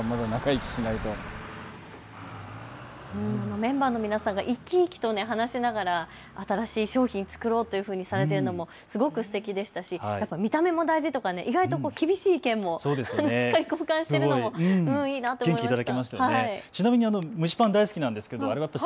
メンバーの皆さんが生き生きと話しながら新しい商品を作ろうというふうにされているのがとてもすてきでしたし見た目も大事とか意外に厳しい意見もしっかりと交換しているのがいいなと思いました。